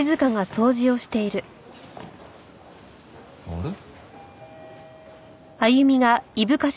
あれ？